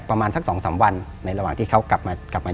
ประมาณสัก๒๓วันในระหว่างที่เขากลับมากลับมา